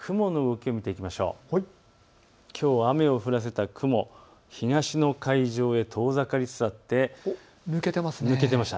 きょう雨を降らせた雲、東の海上へ遠ざかりつつあって抜けてました。